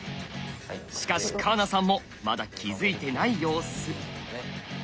しかし川名さんもまだ気付いてない様子。